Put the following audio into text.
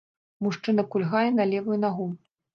Мужчына кульгае на левую нагу.